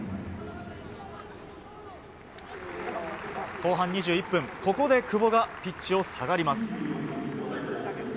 後半２１分、ここで久保がピッチを下がります。